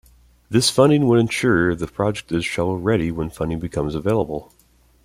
This funding would ensure the project is "shovel ready" when funding becomes available.